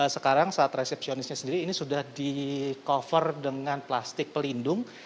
sekarang saat resepsionisnya sendiri ini sudah di cover dengan plastik pelindung